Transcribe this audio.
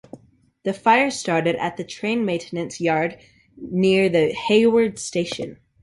The fire started at the train maintenance yard near the Hayward station.